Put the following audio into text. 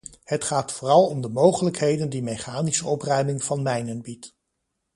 Het gaat vooral om de mogelijkheden die mechanische opruiming van mijnen biedt.